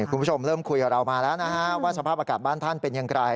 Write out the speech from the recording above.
คุณผู้ชมเริ่มคุยกับเรามาแล้วนะฮะว่าสภาพอากาศบ้านท่านเป็นอย่างไร